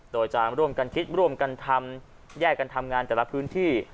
โดยจะร่วมกันคิดร่วมกันทำแยกกันทำงานแต่ละพื้นที่